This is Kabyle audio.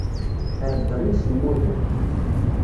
Ɛebdeɣ imsemmuden.